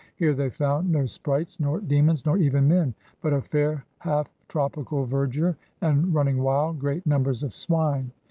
Here they found no sprites nor demons, nor even men, but a fair, half tropical verdure and, running wild, great numbers of swine.